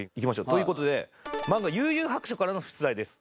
という事でマンガ『幽☆遊☆白書』からの出題です。